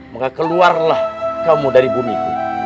maka keluarlah kamu dari bumiku